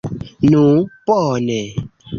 Nu, bone!